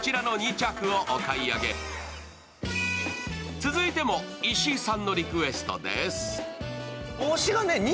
続いても石井さんのリクエストです。